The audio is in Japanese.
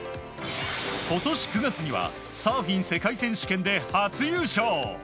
今年９月にはサーフィン世界選手権で初優勝。